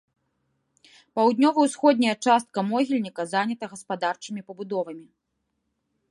Паўднёва-ўсходняя частка могільніка занята гаспадарчымі пабудовамі.